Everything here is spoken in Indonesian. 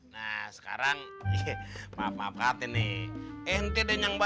nah sekarang papah papah hati nih ente dia nyangka